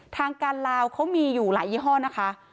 ทางการลาวเขามีอยู่หลายยี่ห้อนะคะ